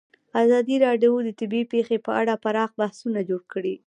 ازادي راډیو د طبیعي پېښې په اړه پراخ بحثونه جوړ کړي.